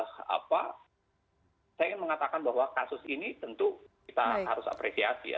saya ingin mengatakan bahwa kasus ini tentu kita harus apresiasi ya